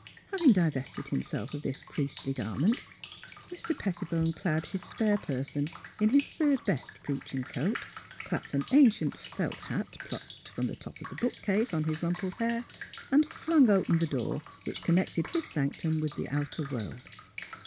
Having divested himself of this priestly garment, Mr. Pettibone clad his spare person in his third best preaching coat, clapped an ancient felt hat, plucked from the top of the book case, on his rumpled hair, and flung open the door, which connected his sanctum with the outer world.